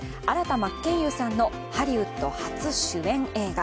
真剣佑さんのハリウッド初主演映画。